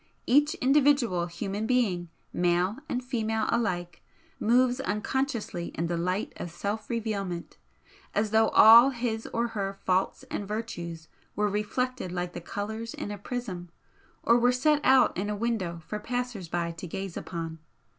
Each individual human being, male and female alike, moves unconsciously in the light of self revealment, as though all his or her faults and virtues were reflected like the colours in a prism, or were set out in a window for passers by to gaze upon.